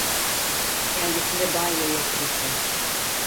Kendisini banyoya kilitler.